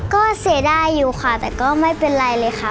ก็เสียดายอยู่ค่ะแต่ก็ไม่เป็นไรเลยค่ะ